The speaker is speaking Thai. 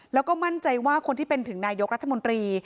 แล้วก็มั่นใจว่าคนที่เป็นถึงนายกรัฐมนตรี